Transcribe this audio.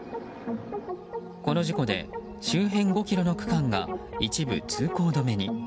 この事故で、周辺５ｋｍの区間が一部通行止めに。